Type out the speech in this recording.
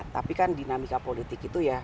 tapi kan dinamika politik itu ya